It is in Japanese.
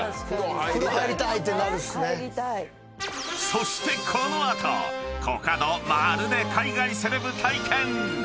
［そしてこの後コカドまるで海外セレブ体験！］